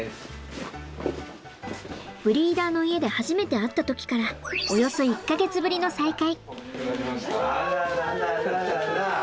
ブリーダーの家で初めて会った時からおよそ１か月ぶりの再会。